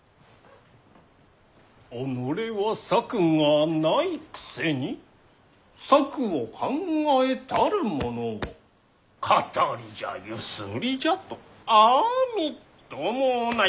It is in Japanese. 己は策がないくせに策を考えたる者を騙りじゃゆすりじゃとあみっともない。